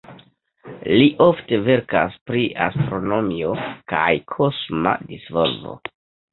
Li ofte verkas pri astronomio kaj kosma disvolvo.